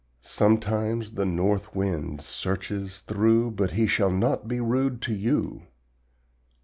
Sometimes the north wind searches through, But he shall not be rude to you.